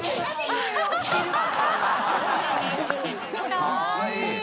かわいい。